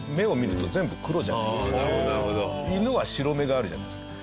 犬は白目があるじゃないですか。